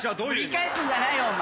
ぶり返すんじゃないよお前！